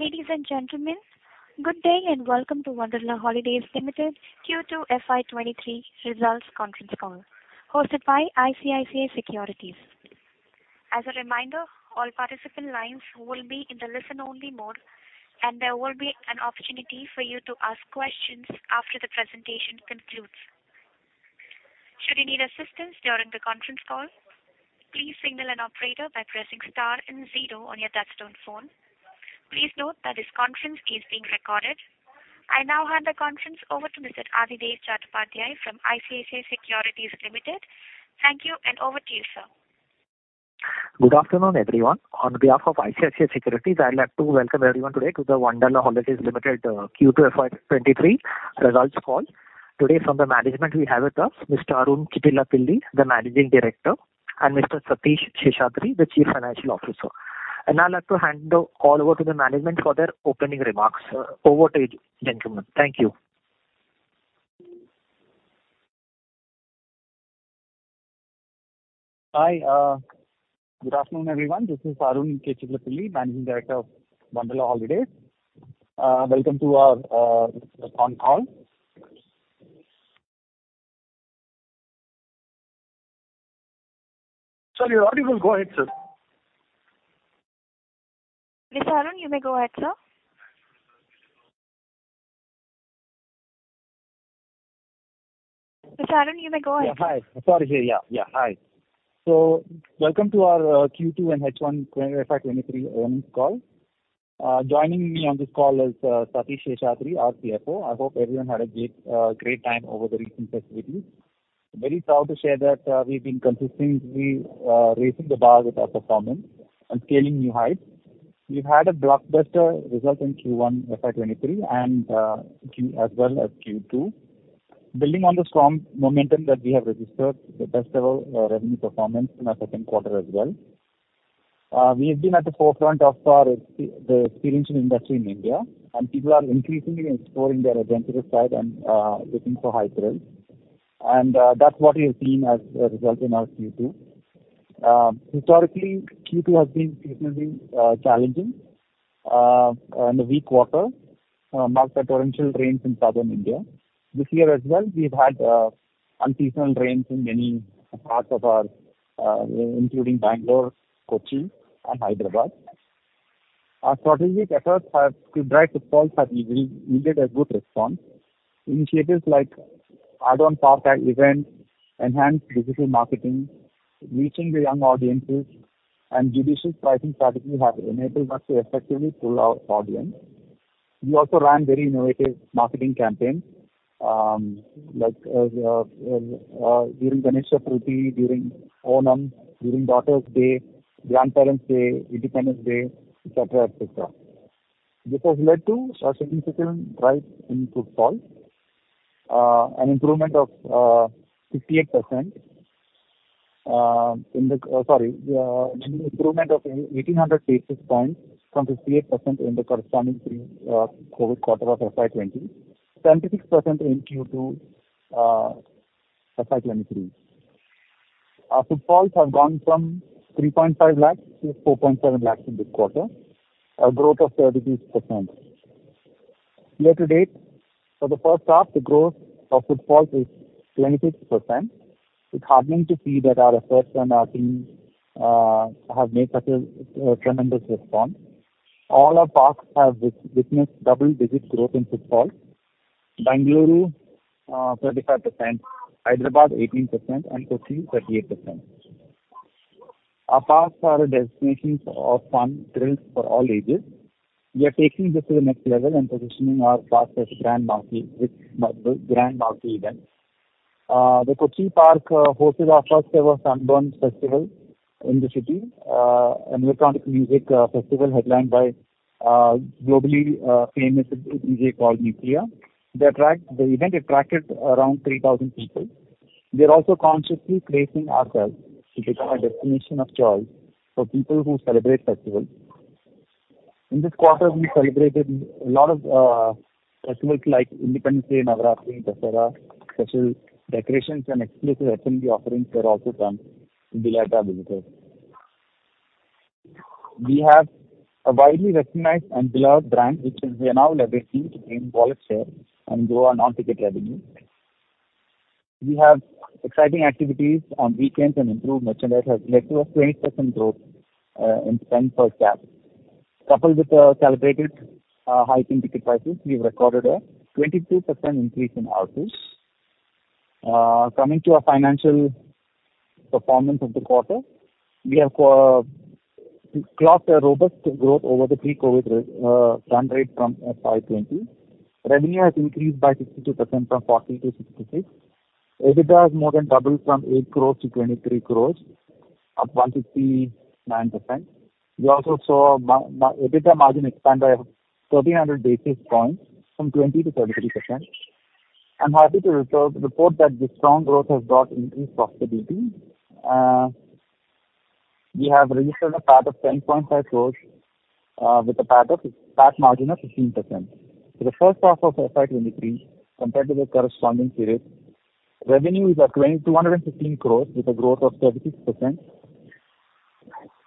Ladies and gentlemen, good day, and welcome to Wonderla Holidays Limited Q2 FY23 results conference call hosted by ICICI Securities. As a reminder, all participant lines will be in the listen-only mode, and there will be an opportunity for you to ask questions after the presentation concludes. Should you need assistance during the conference call, please signal an operator by pressing star and zero on your touchtone phone. Please note that this conference is being recorded. I now hand the conference over to Mr. Adhidev Chattopadhyay from ICICI Securities Limited. Thank you, and over to you, sir. Good afternoon, everyone. On behalf of ICICI Securities, I'd like to welcome everyone today to the Wonderla Holidays Limited Q2 FY23 results call. Today from the management, we have with us Mr. Arun Chittilappilly, the Managing Director, and Mr. Satheesh Seshadri, the Chief Financial Officer. Now I'd like to hand the call over to the management for their opening remarks. Over to you, gentlemen. Thank you. Hi. Good afternoon, everyone. This is Arun Chittilappilly, Managing Director of Wonderla Holidays. Welcome to our conference call. Sir, you're audible. Go ahead, sir. Mr. Arun, you may go ahead, sir. Hi. Welcome to our Q2 and H1 FY23 earnings call. Joining me on this call is Satish Seshadri, our CFO. I hope everyone had a great time over the recent festivities. Very proud to share that we've been consistently raising the bar with our performance and scaling new heights. We've had a blockbuster result in Q1 FY23 as well as Q2. Building on the strong momentum that we have registered the best ever revenue performance in our Q2 as well. We have been at the forefront of the experiential industry in India, and people are increasingly exploring their adventurous side and looking for high thrills. That's what we have seen as a result in our Q2. Historically, Q2 has been seasonally challenging and a weak quarter marked by torrential rains in southern India. This year as well, we've had unseasonal rains in many parts of our including Bangalore, Kochi, and Hyderabad. Our strategic efforts to drive footfalls have yielded a good response. Initiatives like add-on park events, enhanced digital marketing, reaching the young audiences, and judicious pricing strategies have enabled us to effectively pull our audience. We also ran very innovative marketing campaigns like during Ganesh Chaturthi, during Onam, during Daughters Day, Grandparents Day, Independence Day, et cetera. This has led to a significant rise in footfalls, an improvement of 58% in the An improvement of 1,800 basis points from 58% in the corresponding pre-COVID quarter of FY20, 76% in Q2 FY23. Our footfalls have gone from 3.5 to 4.7 lakh in this quarter, a growth of 32%. Year to date for the H1, the growth of footfalls is 26%. It's heartening to see that our efforts and our themes have made such a tremendous response. All our parks have witnessed double-digit growth in footfalls. Bengaluru 35%, Hyderabad 18%, and Kochi 38%. Our parks are destinations of fun thrills for all ages. We are taking this to the next level and positioning our parks as a grand multi with multiple grand multi events. The Kochi park hosted our first-ever Sunburn Festival in the city, an electronic music festival headlined by a globally famous DJ called Nucleya. The event attracted around 3,000 people. We are also consciously placing ourselves to become a destination of choice for people who celebrate festivals. In this quarter, we celebrated a lot of festivals like Independence Day, Navaratri, Dussehra. Special decorations and exclusive F&B offerings were also done to delight our visitors. We have a widely recognized and beloved brand, which we are now leveraging to gain wallet share and grow our non-ticket revenue. We have exciting activities on weekends, and improved merchandise has led to a 20% growth in spend per cap. Coupled with celebrated hiking ticket prices, we've recorded a 22% increase in average. Coming to our financial performance of the quarter. We have clocked a robust growth over the pre-COVID run rate from FY20. Revenue has increased by 62% from 40 crore to 66 crore. EBITDA has more than doubled from 8 crore to 23 crore, up 159%. We also saw EBITDA margin expand by 1,300 basis points from 20 to 33%. I'm happy to report that this strong growth has brought increased profitability. We have registered a PAT of 10.5 crore with a PAT margin of 15%. For the H1 of FY23 compared to the corresponding period, revenue is at 2,216 crore with a growth of 36%.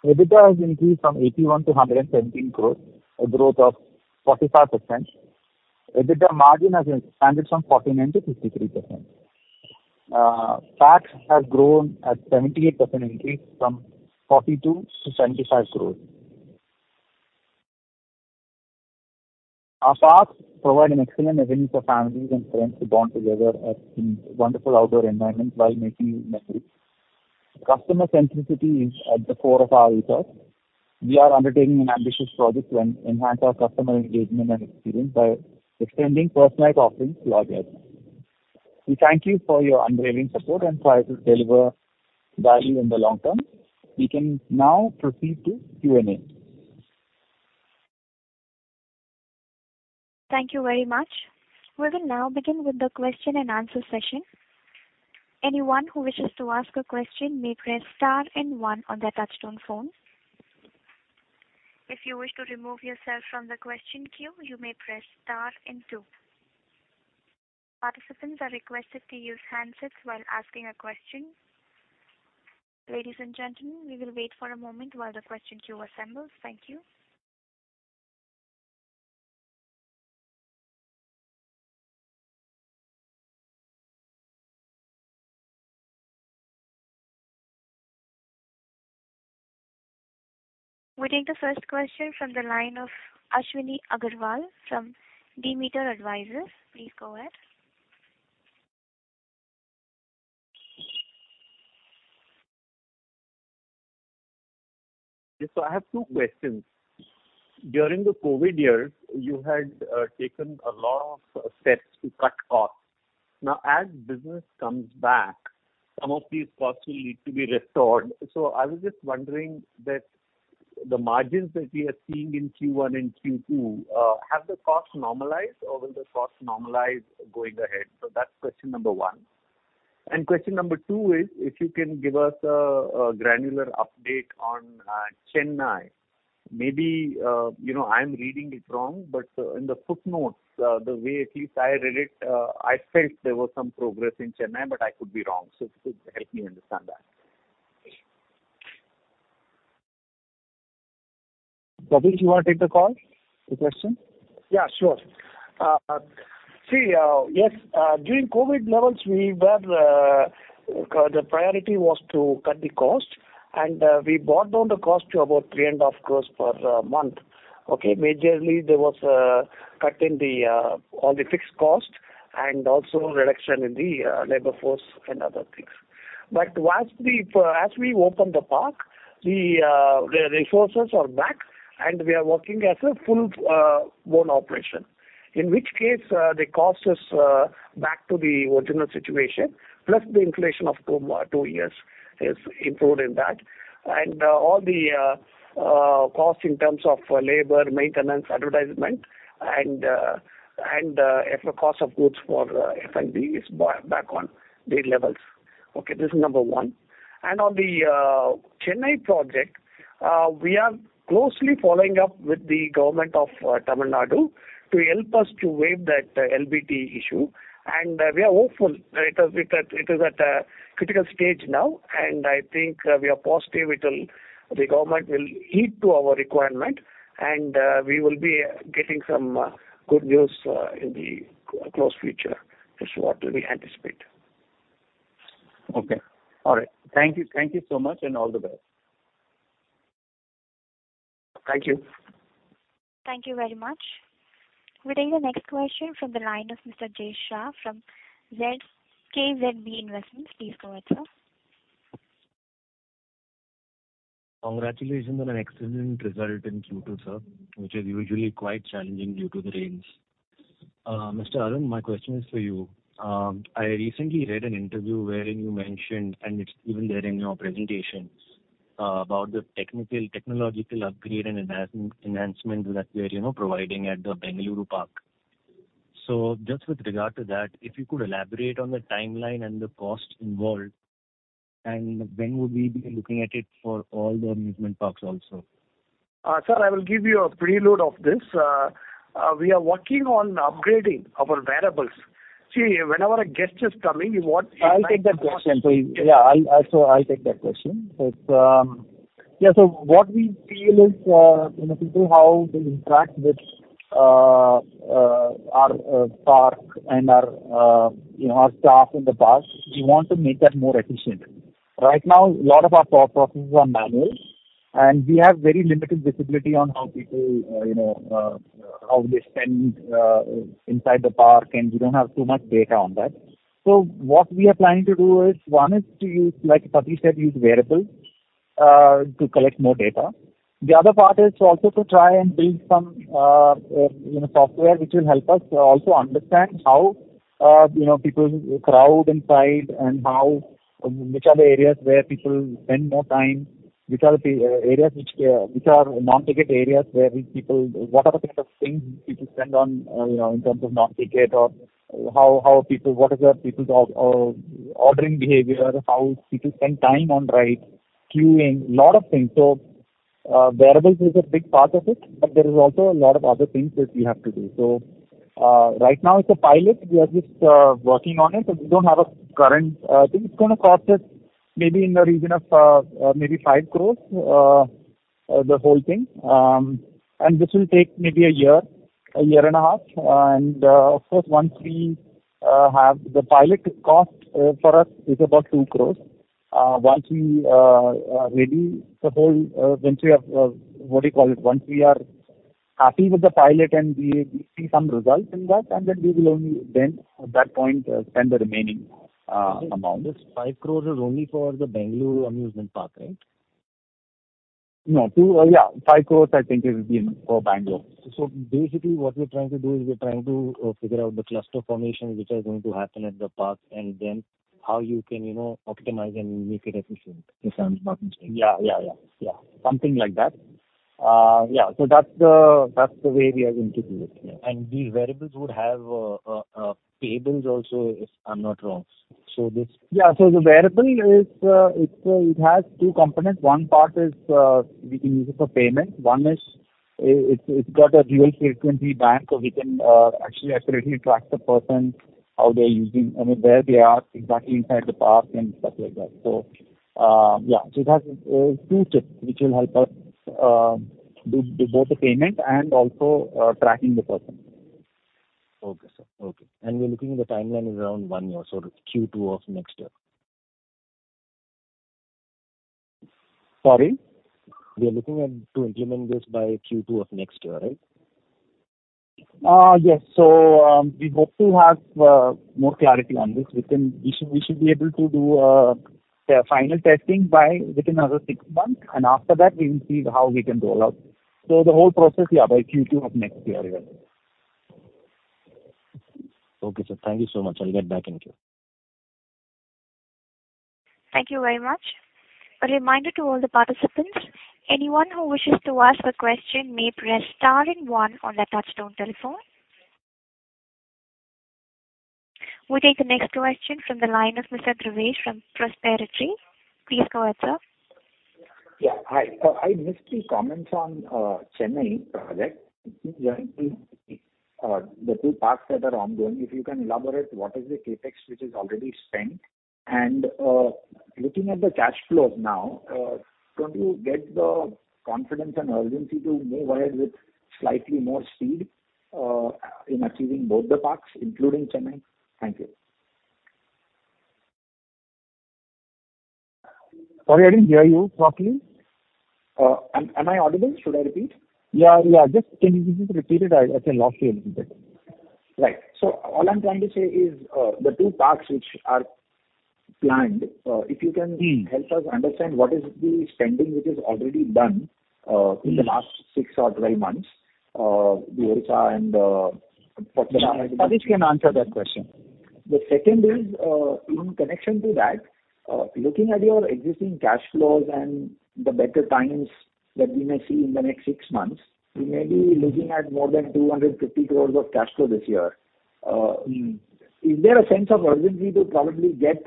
EBITDA has increased from 81 crore to 117 crore, a growth of 45%. EBITDA margin has expanded from 49 to 53%. Parks has grown at 78% increase from 42 crore to 75 crore. Our parks provide an excellent avenue for families and friends to bond together in a wonderful outdoor environment while making memories. Customer centricity is at the core of our ethos. We are undertaking an ambitious project to enhance our customer engagement and experience by extending personalized offerings to our guests. We thank you for your unwavering support and promise to deliver value in the long term. We can now proceed to Q&A. Thank you very much. We will now begin with the question-and-answer session. Anyone who wishes to ask a question may press star and one on their touchtone phone. If you wish to remove yourself from the question queue, you may press star and two. Participants are requested to use handsets while asking a question. Ladies and gentlemen, we will wait for a moment while the question queue assembles. Thank you. We take the first question from the line of Ashwini Agarwal from Demeter Advisors. Please go ahead. Yes. I have two questions. During the COVID years, you had taken a lot of steps to cut costs. Now, as business comes back, some of these costs will need to be restored. I was just wondering that the margins that we are seeing in Q1 and Q2 have the costs normalized or will the costs normalize going ahead? That's question number one. Question number two is if you can give us a granular update on Chennai. Maybe you know, I'm reading it wrong, but in the footnotes, the way at least I read it, I felt there was some progress in Chennai, but I could be wrong. If you could help me understand that. Prateesh, you wanna take the call? The question? Yeah, sure. See, yes, during COVID levels, the priority was to cut the cost, and we brought down the cost to about 3.5 crore per month. Okay? Majorly, there was a cut in all the fixed costs and also reduction in the labor force and other things. As we opened the park, the resources are back, and we are working as a full blown operation. In which case, the cost is back to the original situation, plus the inflation of two years is improved in that. All the costs in terms of labor, maintenance, advertisement and cost of goods for F&B is back on pre levels. Okay? This is number one. On the Chennai project, we are closely following up with the government of Tamil Nadu to help us to waive that LBT issue. We are hopeful. It is at a critical stage now, and I think we are positive it'll the government will heed to our requirement, and we will be getting some good news in the close future. That's what we anticipate. Okay. All right. Thank you. Thank you so much, and all the best. Thank you. Thank you very much. We take the next question from the line of Mr. Jay Shah from ZKB Investments. Please go ahead, sir. Congratulations on an excellent result in Q2, sir, which is usually quite challenging due to the rains. Mr. Arun, my question is for you. I recently read an interview wherein you mentioned, and it's even there in your presentations, about the technical, technological upgrade and enhancement that you're, you know, providing at the Bengaluru park. Just with regard to that, if you could elaborate on the timeline and the cost involved, and when would we be looking at it for all the amusement parks also? Sir, I will give you a preload of this. We are working on upgrading our wearables. See, whenever a guest is coming, you want I'll take that question. What we feel is, you know, people how they interact with our park and our, you know, our staff in the park, we want to make that more efficient. Right now, a lot of our thought processes are manual, and we have very limited visibility on how people, you know, how they spend inside the park, and we don't have too much data on that. What we are planning to do is, one is to use, like Satheesh said, use wearables to collect more data. The other part is also to try and build some, you know, software which will help us also understand how, you know, people crowd inside and how. Which are the areas where people spend more time, which are the areas which are non-ticket areas where people. What are the kind of things people spend on, you know, in terms of non-ticket or how people. What is the people's ordering behavior? How people spend time on rides, queuing, lot of things. Variables is a big part of it, but there is also a lot of other things that we have to do. Right now it's a pilot. We are just working on it, so we don't have a current. I think it's gonna cost us maybe in the region of maybe 5 crore the whole thing. And this will take maybe a year, a year and a half. Of course, once we have the pilot cost for us is about 2 crore. Once we are happy with the pilot and we see some results in that, and then we will only then, at that point, spend the remaining amount. This 5 crore is only for the Bengaluru amusement park, right? No. Two, yeah, 5 crore I think it will be for Bengaluru. Basically what we're trying to do is figure out the cluster formation which is going to happen at the park, and then how you can, you know, optimize and make it efficient. If I'm understanding. Yeah. Something like that. Yeah. That's the way we are going to do it, yeah. These wearables would have payments also, if I'm not wrong. Yeah. The wearable is, it has two components. One part is, we can use it for payment. One is, it's got a dual frequency band, so we can actually accurately track the person, where they are exactly inside the park and stuff like that. Yeah. It has two chips which will help us do both the payment and also tracking the person. Okay, sir. Okay. You're looking at the timeline is around one year, so Q2 of next year. Sorry? We are looking at to implement this by Q2 of next year, right? Yes. We hope to have more clarity on this. We should be able to do the final testing within another six months, and after that we will see how we can roll out. The whole process by Q2 of next year. Okay, sir. Thank you so much. I'll get back in queue. Thank you very much. A reminder to all the participants, anyone who wishes to ask a question may press star then one on their touchtone telephone. We'll take the next question from the line of Mr. Dhruvesh from Prosperity. Please go ahead, sir. Yeah. Hi. I missed your comments on Chennai project. The two parks that are ongoing, if you can elaborate what is the CapEx which is already spent. Looking at the cash flows now, don't you get the confidence and urgency to move ahead with slightly more speed in achieving both the parks, including Chennai? Thank you. Sorry, I didn't hear you properly. Am I audible? Should I repeat? Yeah. Yeah. Can you repeat it? I lost you a little bit. Right. All I'm trying to say is, the two parks which are planned, if you can help us understand what is the spending which is already done in the last six or twelve months, the Odisha and Patna. Satish can answer that question. The second is in connection to that, looking at your existing cash flows and the better times that we may see in the next six months, we may be looking at more than 250 crores of cash flow this year. Is there a sense of urgency to probably get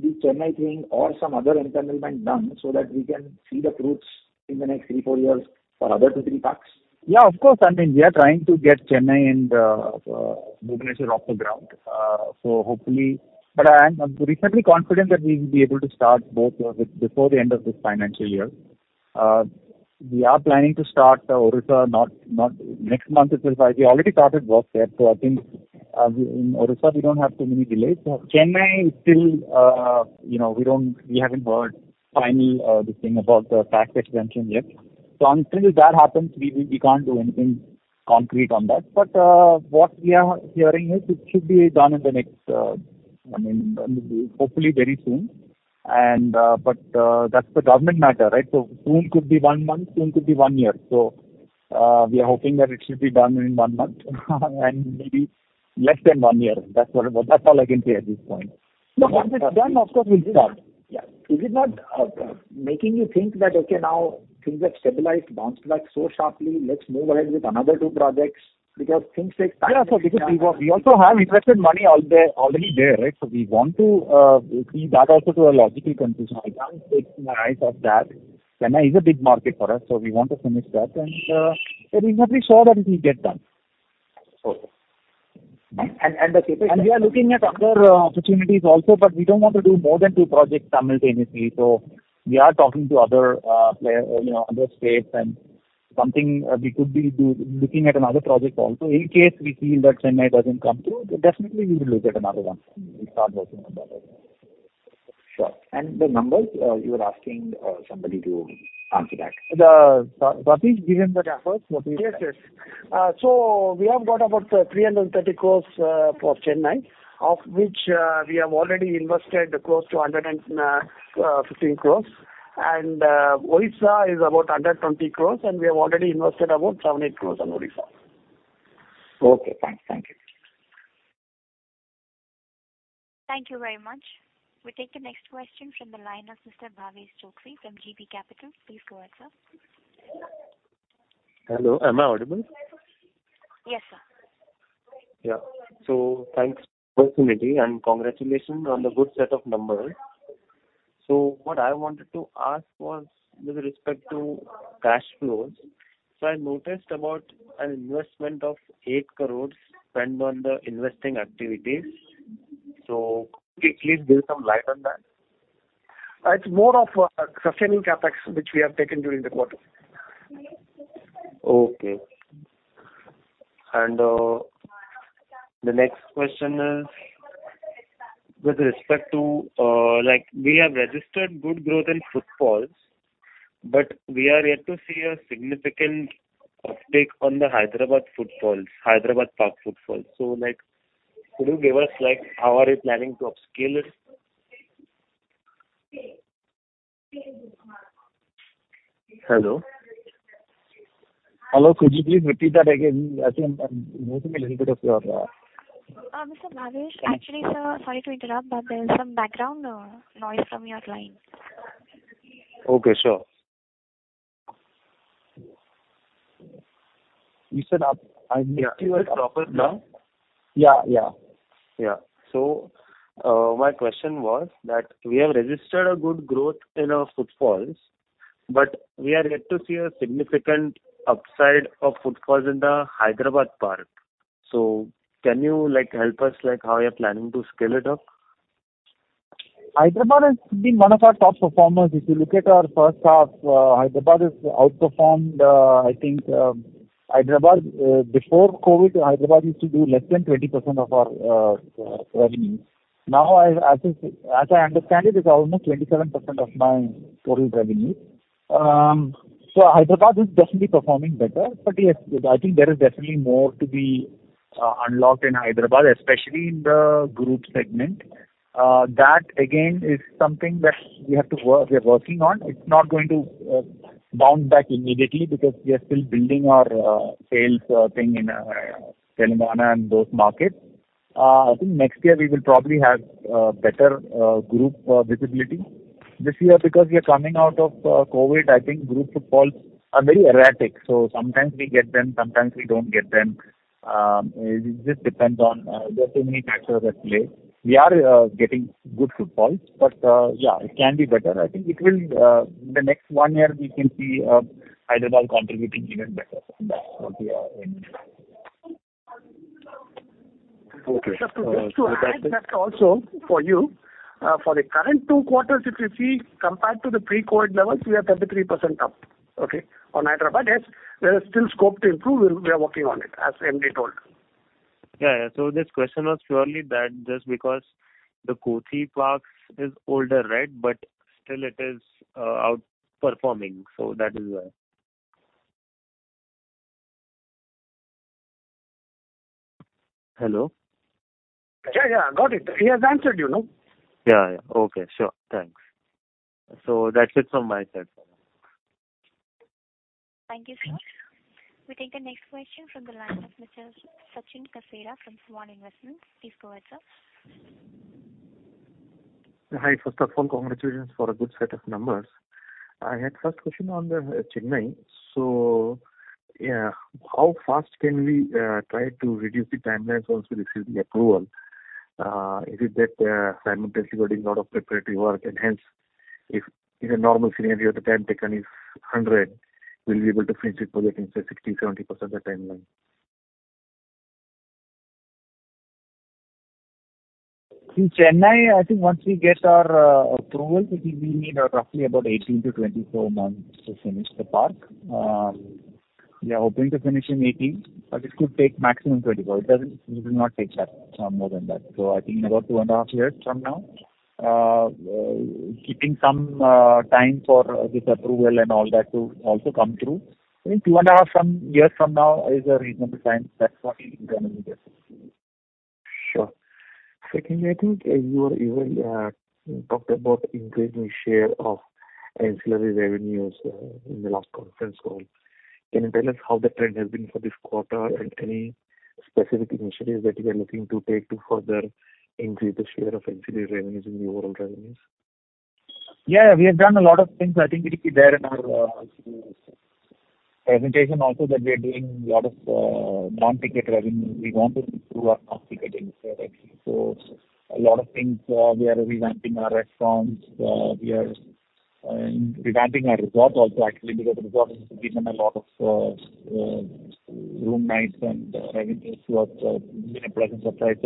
the Chennai thing or some other entertainment done so that we can see the fruits in the next three, four years for the other two or three parks? Yeah, of course. I mean, we are trying to get Chennai and Bhubaneswar off the ground. So hopefully. But I am reasonably confident that we will be able to start both before the end of this financial year. We are planning to start Odisha not next month. It will start. We already started work there, so I think in Odisha we don't have too many delays. Chennai is still, you know, we haven't heard final this thing about the tax exemption yet. Until that happens, we can't do anything concrete on that. What we are hearing is it should be done in the next, I mean, hopefully very soon. But that's the government matter, right? Soon could be one month, soon could be one year. We are hoping that it should be done in one month, and maybe less than one year. That's all I can say at this point. Once it's done, of course we'll start. Yeah. Is it not making you think that, okay, now things have stabilized, bounced back so sharply, let's move ahead with another 2 projects because things take time? Yeah. We could. We also have invested money there already, right? We want to see that also to a logical conclusion. I can't take my eyes off that. Chennai is a big market for us, so we want to finish that. Yeah, reasonably sure that it will get done. Okay. We are looking at other opportunities also, but we don't want to do more than 2 projects simultaneously. We are talking to other player, you know, other states and something we could be looking at another project also. In case we feel that Chennai doesn't come through, definitely we will look at another one. We'll start working on that as well. Sure. The numbers you were asking somebody to answer that. Satheesh, given the CapEx, what we- Yes. We have got about 330 crores for Chennai, of which we have already invested close to 115 crores. Odisha is about 120 crores, and we have already invested about 7-8 crores on Odisha. Okay, thanks. Thank you. Thank you very much. We take the next question from the line of Mr. Bhavesh Choksey from GB Capital. Please go ahead, sir. Hello. Am I audible? Yes, sir. Yeah. Thanks for the opportunity and congratulations on the good set of numbers. What I wanted to ask was with respect to cash flows. I noticed about an investment of 8 crore spent on the investing activities. Could you please throw some light on that? It's more of a sustaining CapEx which we have taken during the quarter. The next question is with respect to, like, we have registered good growth in footfalls, but we are yet to see a significant uptake on the Hyderabad footfalls. Hyderabad park footfalls. Like, could you give us, like, how are you planning to upscale it? Hello? Hello. Could you please repeat that again? I think I'm losing a little bit of your. Mr. Bhavesh Choksey, actually, sir, sorry to interrupt, but there's some background noise from your line. Okay, sure. You said up- Yeah. I missed you at the proper- Yeah, my question was that we have registered a good growth in our footfalls, but we are yet to see a significant upside of footfalls in the Hyderabad park. Can you, like, help us, like, how you're planning to scale it up? Hyderabad has been one of our top performers. If you look at our H1, Hyderabad has outperformed. I think before COVID, Hyderabad used to do less than 20% of our revenue. Now I think, as I understand it's almost 27% of my total revenue. Hyderabad is definitely performing better. Yes, I think there is definitely more to be unlocked in Hyderabad, especially in the group segment. That again is something that we are working on. It's not going to bounce back immediately because we are still building our sales thing in Telangana and those markets. I think next year we will probably have better group visibility. This year because we are coming out of COVID, I think group footfalls are very erratic. Sometimes we get them, sometimes we don't get them. It just depends on, there are so many factors at play. We are getting good footfalls. Yeah, it can be better. I think it will the next one year we can see Hyderabad contributing even better from that point, yeah. Okay. Just to add that also for you. For the current two quarters, if you see compared to the pre-COVID levels, we are 33% up, okay? On Hyderabad. Yes, there is still scope to improve. We are working on it, as MJ told. Yeah. This question was purely that just because the Kochi parks is older, right? Still it is outperforming. That is why. Hello? Yeah, yeah. Got it. He has answered, you know. Yeah, yeah. Okay. Sure. Thanks. That's it from my side for now. Thank you, sir. We take the next question from the line of Mr. Sachin Kasera from Svan Investments. Please go ahead, sir. Hi. First of all, congratulations for a good set of numbers. I had first question on the, Chennai. Yeah, how fast can we, try to reduce the timelines once we receive the approval? Is it that, simultaneously we're doing a lot of preparatory work and hence if, in a normal scenario, the time taken is 100, we'll be able to finish it by, let's say 60 to 70% the timeline. In Chennai, I think once we get our approval, we need roughly about 18 to 24 months to finish the park. We are hoping to finish in 18, but it could take maximum 24. It will not take that more than that. I think in about 2.5 years from now, keeping some time for this approval and all that to also come through. I think 2.5 years from now is a reasonable time. That's what we're gonna be able to. Sure. Secondly, I think you were talking about increasing share of ancillary revenues in the last conference call. Can you tell us how the trend has been for this quarter and any specific initiatives that you are looking to take to further increase the share of ancillary revenues in the overall revenues? Yeah. We have done a lot of things. I think it is there in our presentation also that we are doing a lot of non-ticket revenue. We want to improve our non-ticket instead, actually. A lot of things, we are revamping our restaurants. We are revamping our resort also actually, because the resort has given a lot of room nights and revenues. That's been a pleasant surprise.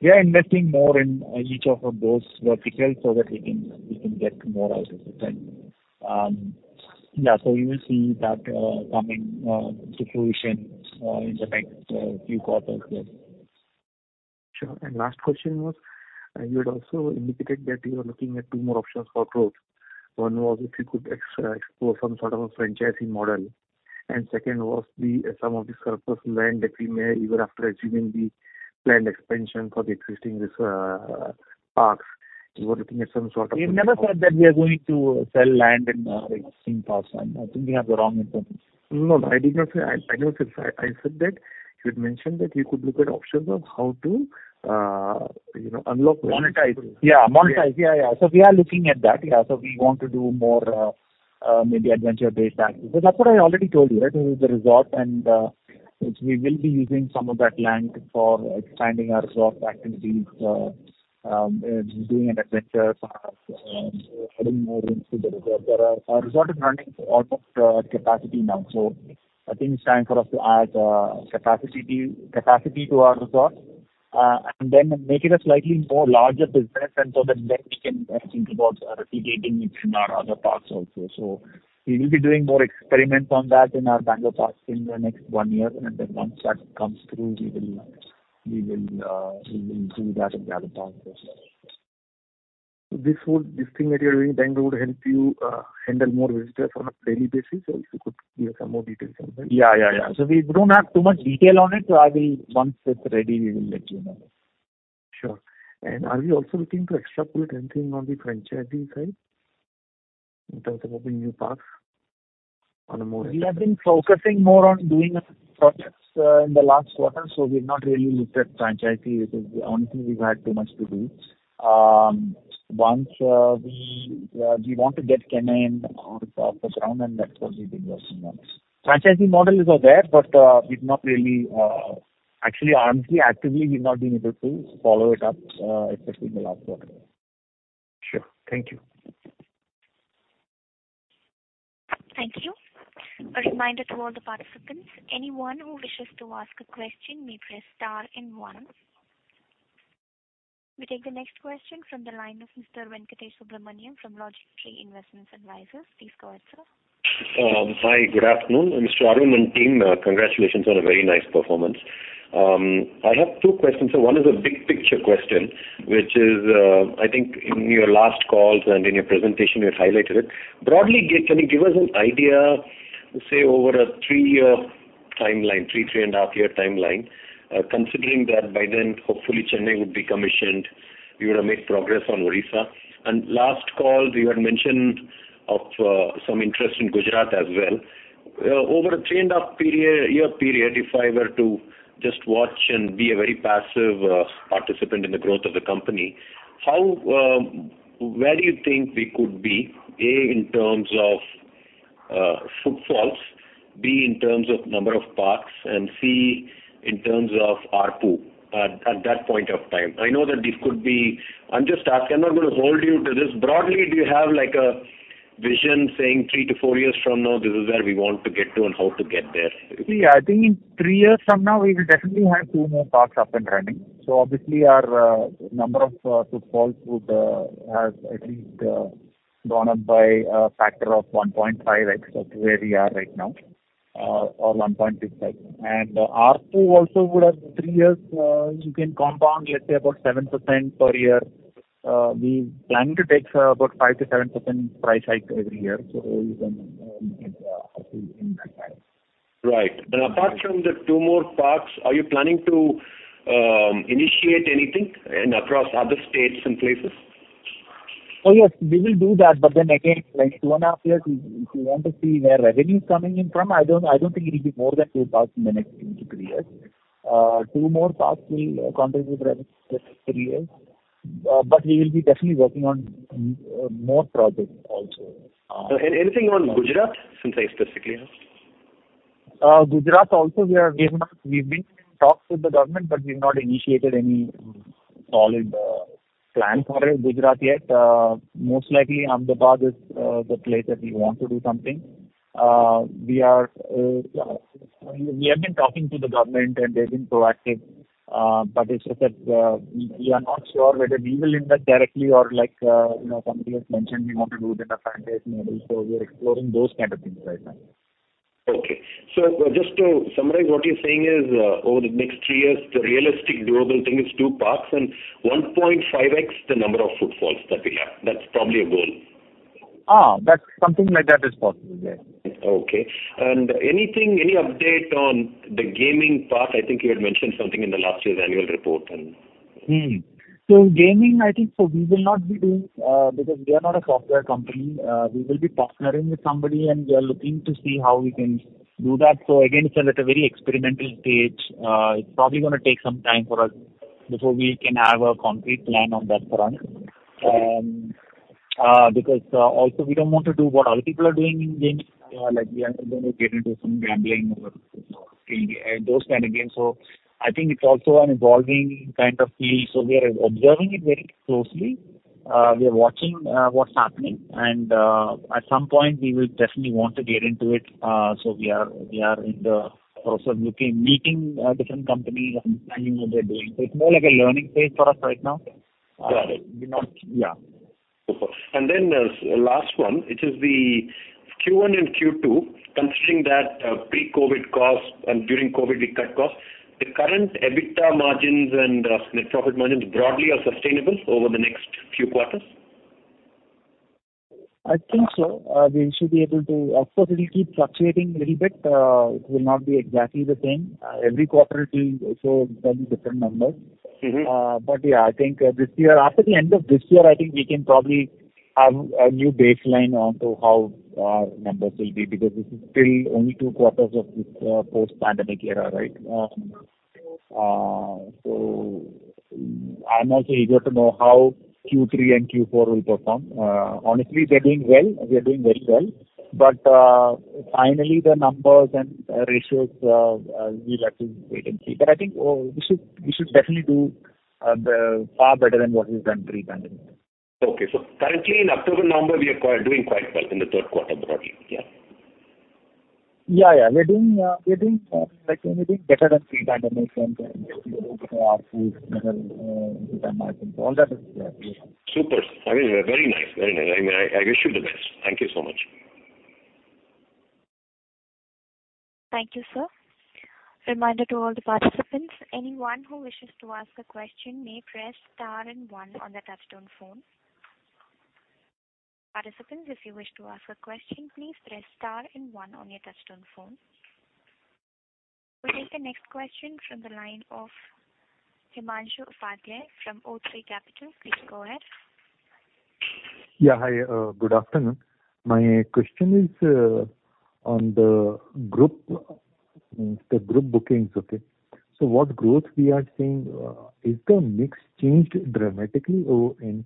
We are investing more in each of those verticals so that we can get more out of the trend. Yeah. You will see that coming to fruition in the next few quarters, yes. Sure. Last question was, you had also indicated that you are looking at two more options for growth. One was if you could explore some sort of a franchising model. Second was the, some of the surplus land that we may even after achieving the planned expansion for the existing, parks. You were looking at some sort of. We never said that we are going to sell land in our existing parks. I think you have the wrong information. No, no, I did not say. I never said. I said that you had mentioned that you could look at options of how to, you know, unlock. Monetize. Yeah, monetize. We are looking at that. Yeah. We want to do more, maybe adventure-based packages. That's what I already told you, right? This is the resort and which we will be using some of that land for expanding our resort activities, doing an adventure park, adding more rooms to the resort. Our resort is running almost capacity now. I think it's time for us to add capacity to our resort, and then make it a slightly more larger business and so that then we can think about replicating it in our other parks also. We will be doing more experiments on that in our Bangalore park in the next one year, and then once that comes through we will do that in the other parks as well. This thing that you're doing in Bangalore would help you handle more visitors on a daily basis. If you could give some more details on that. Yeah. We don't have too much detail on it. I will. Once it's ready, we will let you know. Sure. Are you also looking to extrapolate anything on the franchisee side in terms of opening new parks on a more We have been focusing more on doing our projects in the last quarter, so we've not really looked at franchisee. It is the only thing we've had too much to do. Once we want to get Chennai off the ground and that's what we've been working on. Franchisee model is out there, but we've not really actually, honestly, actively we've not been able to follow it up, especially in the last quarter. Sure. Thank you. Thank you. A reminder to all the participants, anyone who wishes to ask a question may press star and one. We take the next question from the line of Mr. Venkateswaran Subramanian from Logically Investments Advisors. Please go ahead, sir. Hi. Good afternoon. Mr. Arun and team, congratulations on a very nice performance. I have two questions. One is a big picture question, which is, I think in your last calls and in your presentation you had highlighted it. Broadly, can you give us an idea, say, over a 3-year timeline, 3- and-a-half-year timeline, considering that by then hopefully Chennai would be commissioned, you would have made progress on Odisha. Last call you had mentioned of, some interest in Gujarat as well. Over a three and a half year period, if I were to just watch and be a very passive participant in the growth of the company, how, where do you think we could be, A, in terms of footfalls, B, in terms of number of parks, and C, in terms of ARPU at that point of time? I know that this could be. I'm not gonna hold you to this. Broadly, do you have like a vision saying three to four years from now this is where we want to get to and how to get there? See, I think in 3 years from now we will definitely have 2 more parks up and running. Obviously, our number of footfalls would have at least gone up by a factor of 1.5x of where we are right now, or 1.6x. ARPU also would have 3 years, you can compound let's say about 7% per year. We plan to take about 5 to 7% price hike every year. Even in ARPU in that time. Right. Apart from the two more parks, are you planning to initiate anything across other states and places? Oh, yes. We will do that. Again, like 2.5 years we want to see where revenue is coming in from. I don't think it'll be more than 2 parks in the next 2 to 3 years. Two more parks will contribute revenue just for 3 years. We will be definitely working on more projects also. Anything on Gujarat since I specifically asked? Gujarat also we've been in talks with the government, but we've not initiated any solid plan for Gujarat yet. Most likely Ahmedabad is the place that we want to do something. We have been talking to the government and they've been proactive. It's just that we are not sure whether we will invest directly or like you know somebody has mentioned we want to do it in a franchise model. We are exploring those kind of things right now. Just to summarize, what you're saying is, over the next three years the realistic doable thing is two parks and 1.5x the number of footfalls that we have. That's probably a goal. That's something like that is possible. Yes. Okay. Anything, any update on the gaming part? I think you had mentioned something in the last year's annual report and- Gaming I think we will not be doing because we are not a software company. We will be partnering with somebody, and we are looking to see how we can do that. Again, it's at a very experimental stage. It's probably gonna take some time for us before we can have a concrete plan on that front. Because also we don't want to do what other people are doing in gaming. Like we are not going to get into some gambling or, you know, those kind of games. I think it's also an evolving kind of field, so we are observing it very closely. We are watching what's happening and at some point we will definitely want to get into it. We are in the process of looking, meeting different companies and planning what they're doing. It's more like a learning phase for us right now. Got it. Yeah. Super. Last one, which is the Q1 and Q2, considering that pre-COVID costs and during COVID we cut costs, the current EBITDA margins and net profit margins broadly are sustainable over the next few quarters? I think so. Of course it'll keep fluctuating little bit. It will not be exactly the same. Every quarter it will show very different numbers. Yeah, I think this year, after the end of this year, I think we can probably have a new baseline on to how our numbers will be because this is still only two quarters of this post pandemic era, right? I'm also eager to know how Q3 and Q4 will perform. Honestly, we are doing well. We are doing very well. Finally, the numbers and ratios we'll have to wait and see. I think we should definitely do far better than what we've done pre-pandemic. Currently in October, November, we are doing quite well in the Q3 broadly. Yeah. Yeah, yeah. Like I said, we're doing better than pre-pandemic. All that is there, yeah. Super. I mean, very nice. I mean, I wish you the best. Thank you so much. Thank you, sir. Reminder to all the participants, anyone who wishes to ask a question may press star and one on their touchtone phone. Participants, if you wish to ask a question, please press star and one on your touchtone phone. We'll take the next question from the line of Himanshu Upadhyay from O3 Capital. Please go ahead. Yeah, hi. Good afternoon. My question is on the group bookings, okay. So what growth we are seeing, is the mix changed dramatically in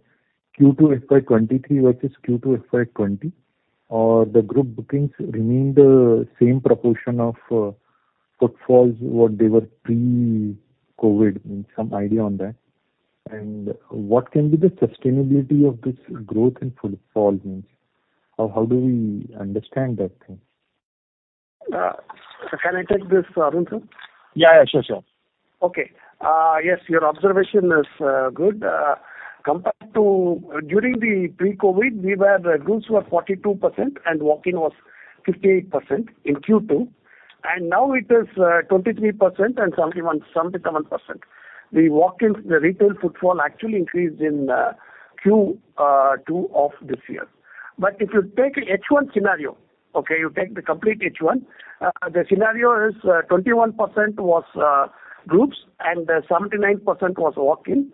Q2 FY23 versus Q2 FY20? Or the group bookings remain the same proportion of footfalls what they were pre-COVID? Some idea on that. What can be the sustainability of this growth in footfalls? How do we understand that thing? Can I take this, Arun, sir? Yeah, yeah. Sure, sure. Okay. Yes, your observation is good. Compared to during the pre-COVID, groups were 42% and walk-in was 58% in Q2. Now it is 23% and 77%. The walk-ins, the retail footfall actually increased in Q2 of this year. If you take a H1 scenario, you take the complete H1, the scenario is 21% was groups and 79% was walk-in.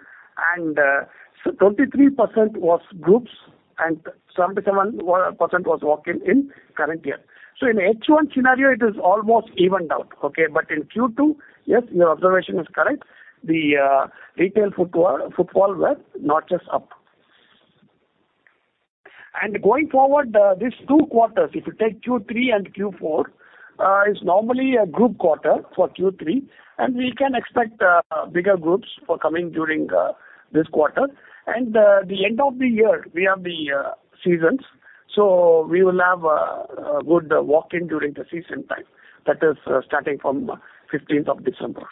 Twenty-three percent was groups and 77% was walk-in in current year. In H1 scenario, it is almost evened out. In Q2, yes, your observation is correct. The retail footfall were not just up. Going forward, these two quarters, if you take Q3 and Q4, is normally a good quarter for Q3, and we can expect bigger growth coming during this quarter. The end of the year, we have the seasons. We will have a good walk-in during the season time. That is starting from fifteenth of December.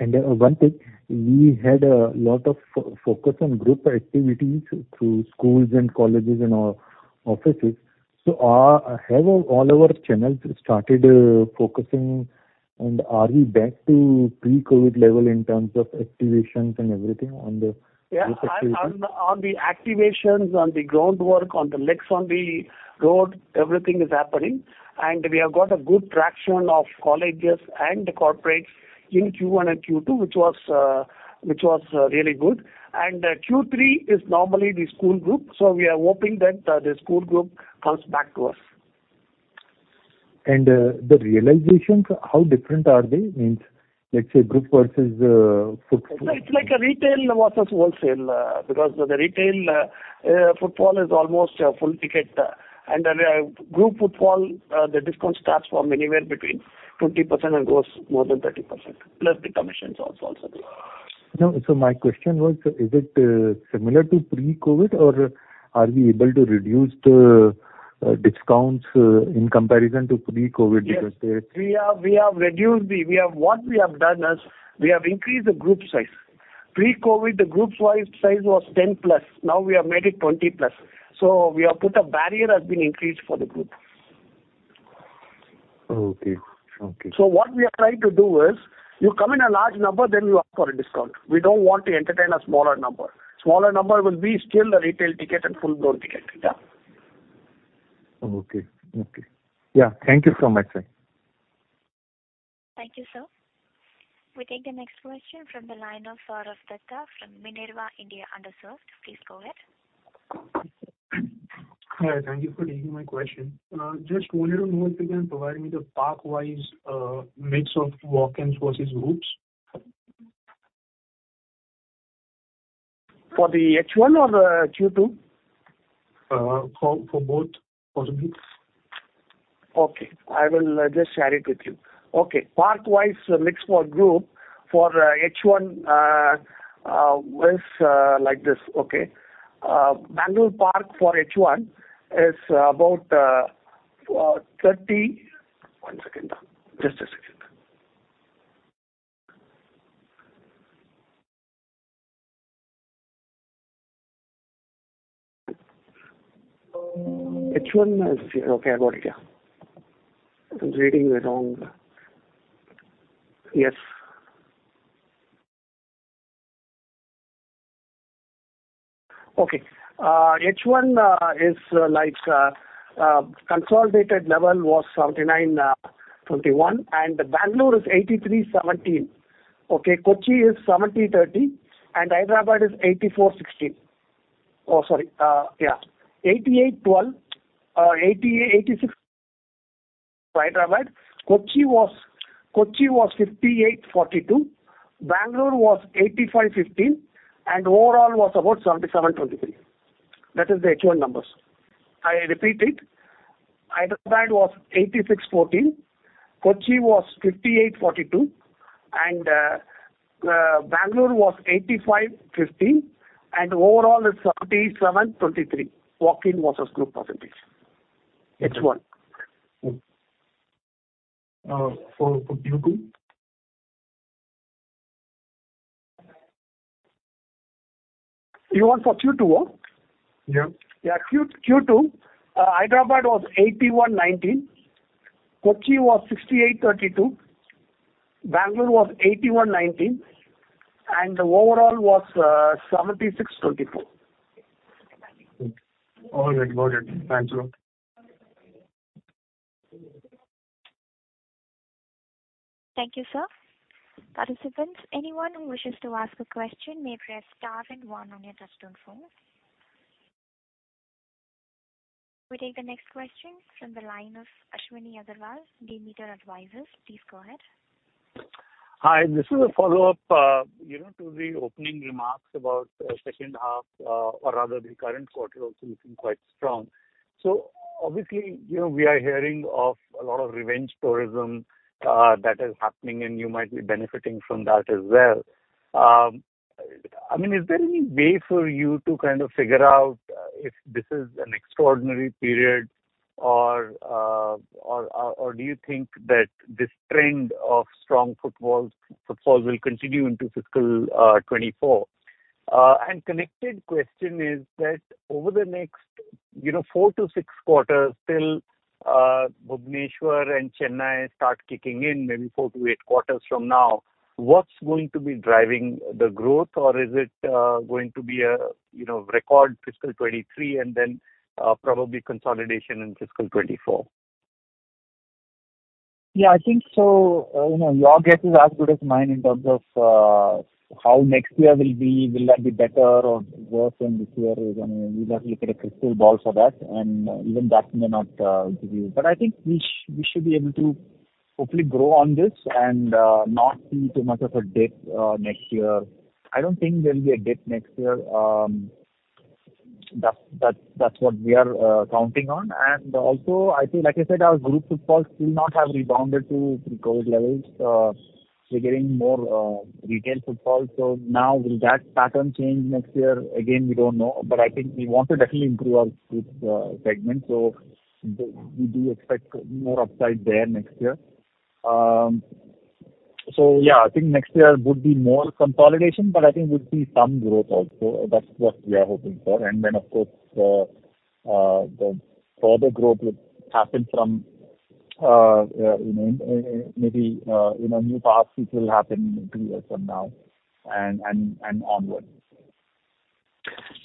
One thing. We had a lot of focus on group activities through schools and colleges and offices. Have all our channels started focusing and are we back to pre-COVID level in terms of activations and everything on the? Yeah. -activations? On the activations, on the groundwork, on the legs on the road, everything is happening. We have got a good traction of colleges and the corporates in Q1 and Q2, which was really good. Q3 is normally the school group. We are hoping that the school group comes back to us. The realizations, how different are they? Means, let's say group versus foot- It's like a retail versus wholesale, because the retail footfall is almost a full ticket. Then, group footfall, the discount starts from anywhere between 20% and goes more than 30%, plus the commissions also. No. My question was, is it similar to pre-COVID or are we able to reduce the discounts in comparison to pre-COVID because the Yes. What we have done is we have increased the group size. Pre-COVID, the group size was 10+. Now we have made it 20+. We have put a barrier has been increased for the group. Okay. Okay. What we are trying to do is you come in a large number, then you ask for a discount. We don't want to entertain a smaller number. Smaller number will be still a retail ticket and full-blown ticket. Yeah. Okay. Yeah. Thank you so much, sir. Thank you, sir. We take the next question from the line of Sourav Dutta from Minerva India Under-served. Please go ahead. Hi. Thank you for taking my question. Just wanted to know if you can provide me the park-wise mix of walk-ins versus groups? For the H1 or Q2? For both. Possible. Okay. I will just share it with you. Okay. Park-wise mix for group for H1 was like this, okay? Okay. H1 is like consolidated level was 79 to 21%, and Bangalore is 83 to 17%. Okay. Kochi is 70 to 30%, and Hyderabad is 84 to 16%. 86% Hyderabad. Kochi was 58 to 42%. Bangalore was 85 to 15% and overall was about 77 to 23%. That is the H1 numbers. I repeat it. Hyderabad was 86 to 14%, Kochi was 58 to 42%, and Bangalore was 85 to 15%, and overall is 77 to 23%. Walk-in was those group percentage. H1. Uh, for, for Q two? You want for Q2, huh? Yeah. Q2, Hyderabad was 81.19%, Kochi was 68.32%, Bangalore was 81.19%, and the overall was 76.24%. All right. Got it. Thanks a lot. Thank you, sir. Participants, anyone who wishes to ask a question may press star then one on your touchtone phone. We take the next question from the line of Ashwini Agarwal, Demeter Advisors. Please go ahead. This is a follow-up, you know, to the opening remarks about H2, or rather the current quarter also looking quite strong. Obviously, you know, we are hearing of a lot of revenge tourism that is happening and you might be benefiting from that as well. I mean, is there any way for you to kind of figure out if this is an extraordinary period or do you think that this trend of strong footfalls will continue into fiscal 2024? Connected question is that over the next, you know, 4 to 6 quarters till Bhubaneswar and Chennai start kicking in maybe 4 to 8 quarters from now, what's going to be driving the growth? Is it going to be a, you know, record fiscal 2023 and then probably consolidation in fiscal 2024? Yeah, I think so. You know, your guess is as good as mine in terms of, how next year will be. Will that be better or worse than this year is? I mean, we'd have to look at a crystal ball for that, and even that may not give you. I think we should be able to hopefully grow on this and, not see too much of a dip, next year. I don't think there'll be a dip next year. That's what we are counting on. Also, I think, like I said, our group footfalls still not have rebounded to pre-COVID levels. We're getting more, retail footfalls. So now will that pattern change next year? Again, we don't know. I think we want to definitely improve our group, segment. We do expect more upside there next year. Yeah, I think next year would be more consolidation, but I think we'll see some growth also. That's what we are hoping for. Of course, the further growth would happen from, you know, maybe, you know, new parks which will happen in two years from now and onwards.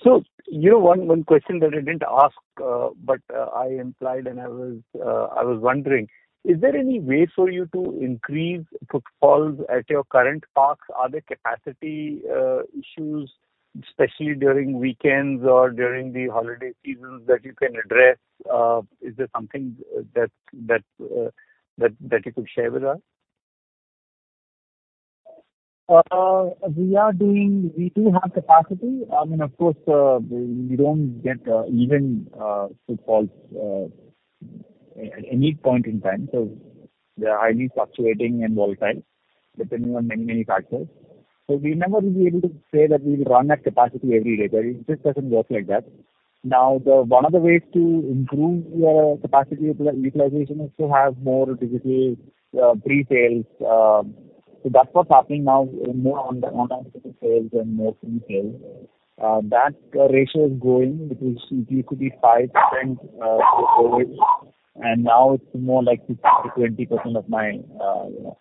You know, one question that I didn't ask, but I implied and I was wondering, is there any way for you to increase footfalls at your current parks? Are there capacity issues, especially during weekends or during the holiday seasons that you can address? Is there something that you could share with us? We do have capacity. I mean, of course, we don't get even footfalls at any point in time, so they're highly fluctuating and volatile depending on many factors. We never will be able to say that we will run at capacity every day. It just doesn't work like that. Now, one of the ways to improve your capacity utilization is to have more digital pre-sales. That's what's happening now more on digital sales and more pre-sales. That ratio is growing. It used to be 5% pre-COVID, and now it's more like 15 to 20% of my, you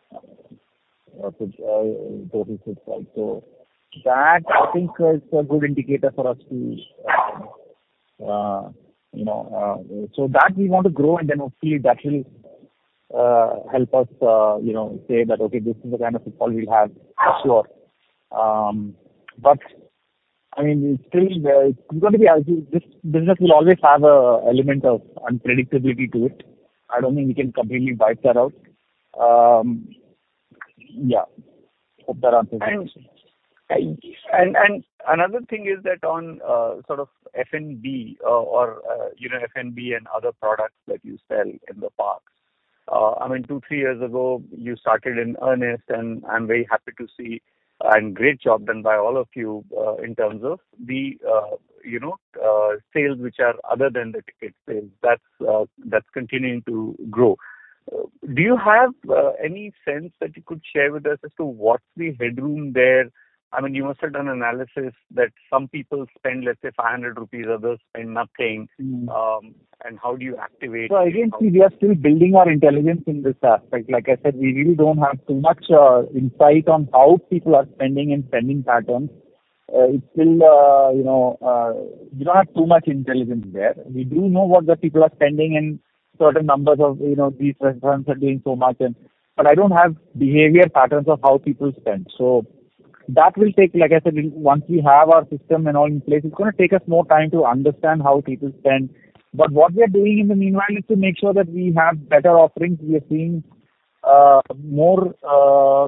know, total footfalls. That, I think, is a good indicator for us to, you know. That we want to grow, and then hopefully that will help us, you know, say that, "Okay, this is the kind of footfall we'll have for sure." I mean, it's still, it's gonna be. This business will always have a element of unpredictability to it. I don't think we can completely wipe that out. Yeah. Hope that answers your question. Another thing is that on sort of F&B or you know F&B and other products that you sell in the parks, I mean, 2-3 years ago you started in earnest, and I'm very happy to see and great job done by all of you in terms of the you know sales which are other than the ticket sales. That's continuing to grow. Do you have any sense that you could share with us as to what's the headroom there? I mean, you must have done analysis that some people spend, let's say 500 rupees, others spend nothing. How do you activate- Again, see, we are still building our intelligence in this aspect. Like I said, we really don't have too much insight on how people are spending and spending patterns. It's still, you know, we don't have too much intelligence there. We do know what the people are spending and certain numbers of, you know, these restaurants are doing so much. I don't have behavior patterns of how people spend. That will take, like I said, once we have our system and all in place, it's gonna take us more time to understand how people spend. What we are doing in the meanwhile is to make sure that we have better offerings. We are seeing more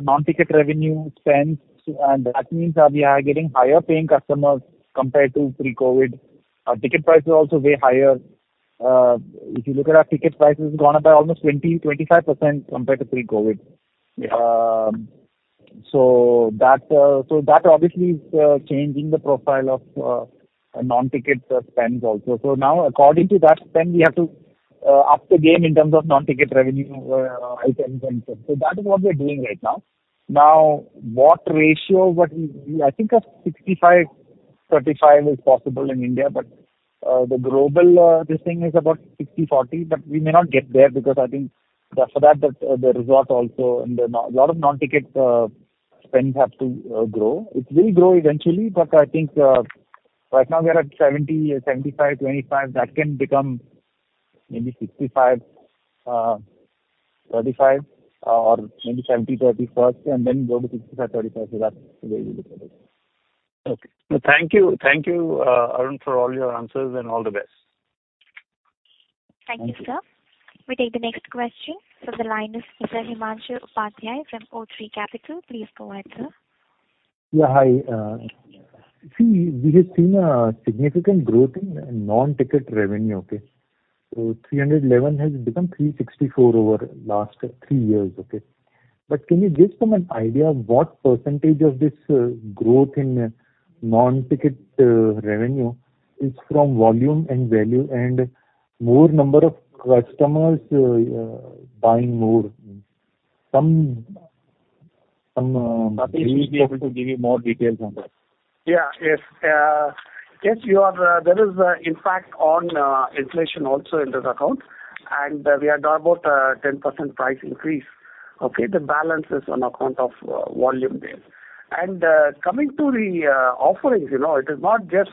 non-ticket revenue spends, and that means that we are getting higher paying customers compared to pre-COVID. Our ticket price is also way higher. If you look at our ticket prices, it's gone up by almost 20 to 25% compared to pre-COVID. So that obviously is changing the profile of non-ticket spends also. Now according to that spend, we have to up the game in terms of non-ticket revenue items and that is what we are doing right now. What ratio? I think a 65 to 35 is possible in India, but the global this thing is about 60 to 40, but we may not get there because I think for that, the resort also and a lot of non-ticket spends have to grow. It will grow eventually, but I think right now we are at 70 to 75, 25. That can become maybe 65/35 or maybe 70/30 first and then go to 65/35. So that's the way we look at it. Okay. Thank you. Thank you, Arun, for all your answers and all the best. Thank you, sir. We take the next question. The line is Mr. Himanshu Upadhyay from O3 Capital. Please go ahead, sir. Yeah. Hi. See, we have seen a significant growth in non-ticket revenue. Okay. 311 has become 364 over last 3 years. Okay. Can you give some idea of what percentage of this growth in non-ticket revenue is from volume and value and more number of customers buying more? Some Satish will be able to give you more details on that. Yeah. Yes. Yes. There is an impact on inflation also in this account, and we had about 10% price increase. Okay. The balance is on account of volume there. Coming to the offerings, you know, it is not just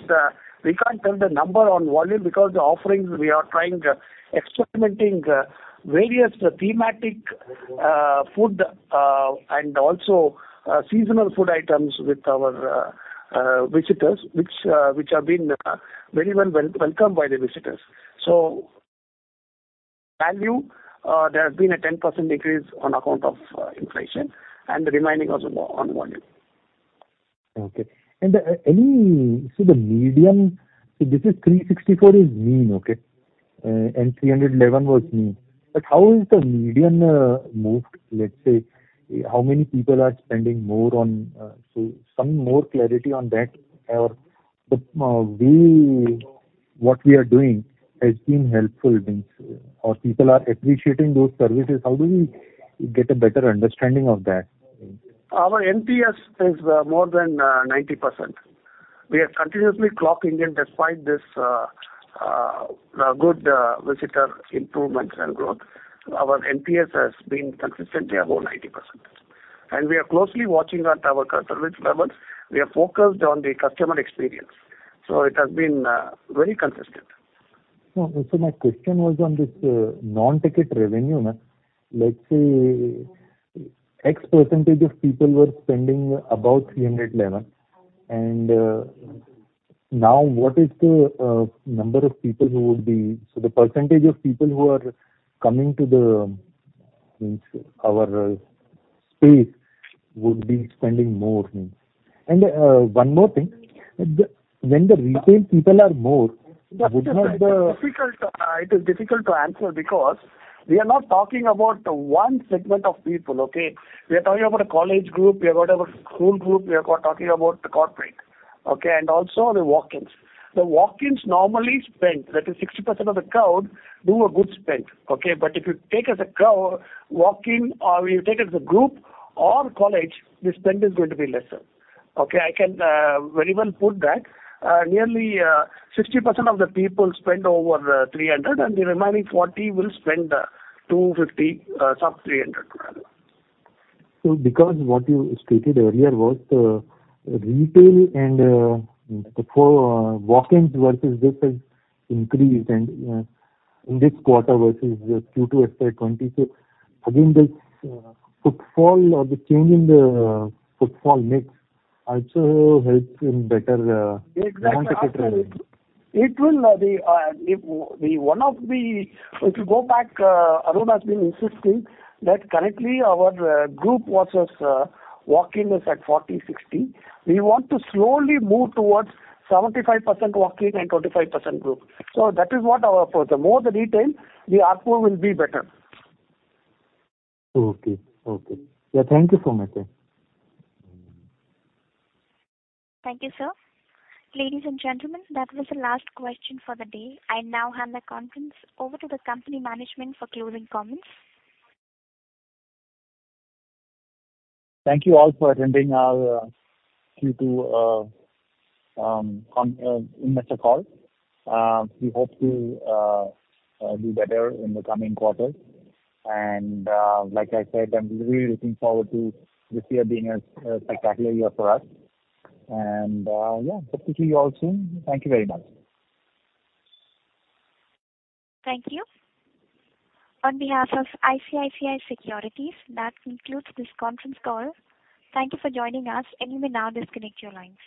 we can't tell the number on volume because the offerings we are trying experimenting various thematic food and also seasonal food items with our visitors which are being very well welcomed by the visitors. So value there have been a 10% increase on account of inflation and the remaining also on volume. Okay. The median, this is INR 364 is mean. Okay. 311 was mean. How is the median moved? Let's say how many people are spending more on, so some more clarity on that or do we, what we are doing has been helpful means or people are appreciating those services. How do we get a better understanding of that? Our NPS is more than 90%. We are continuously clocking in despite this good visitor improvements and growth. Our NPS has been consistently above 90%, and we are closely watching that our service levels. We are focused on the customer experience. It has been very consistent. No. My question was on this, non-ticket revenue. Let's say X% of people were spending about 311 and now what is the number of people who would be. The percentage of people who are coming to the, means our space would be spending more means. One more thing. When the retail people are more, would not the- It is difficult to answer because we are not talking about one segment of people. Okay? We are talking about a college group. We are talking about school group. We are talking about the corporate, okay, and also the walk-ins. The walk-ins normally spend, that is 60% of the crowd do a good spend. Okay? But if you take as a crowd walk-in or you take as a group or college, the spend is going to be lesser. Okay? I can very well put that nearly 60% of the people spend over 300 and the remaining 40 will spend 250, sub 300 rather. Because what you stated earlier was the retail and the for walk-ins versus this has increased and in this quarter versus Q2 FY22. Again, this footfall or the change in the footfall mix also helps in better non-ticket revenue. Exactly. If you go back, Arun has been insisting that currently our group versus walk-in is at 40 to 60. We want to slowly move towards 75% walk-in and 25% group. That is what our approach. The more the retail, the ARPU will be better. Okay. Yeah. Thank you so much then. Thank you, sir. Ladies and gentlemen, that was the last question for the day. I now hand the conference over to the company management for closing comments. Thank you all for attending our Q2 investor call. We hope to do better in the coming quarters. Like I said, I'm really looking forward to this year being a spectacular year for us. Yeah. Hope to see you all soon. Thank you very much. Thank you. On behalf of ICICI Securities, that concludes this conference call. Thank you for joining us, and you may now disconnect your lines.